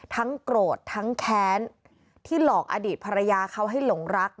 โกรธทั้งแค้นที่หลอกอดีตภรรยาเขาให้หลงรัก